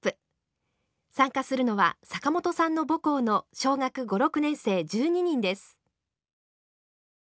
参加するのは坂本さんの母校の小学５６年生１２人です。